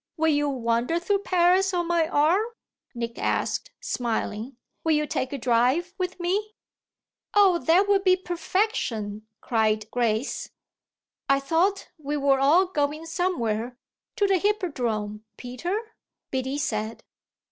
Will you wander through Paris on my arm?" Nick asked, smiling. "Will you take a drive with me?" "Oh that would be perfection!" cried Grace. "I thought we were all going somewhere to the Hippodrome, Peter," Biddy said.